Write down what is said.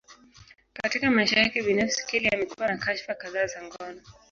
Katika maisha yake binafsi, Kelly amekuwa na kashfa kadhaa za ngono.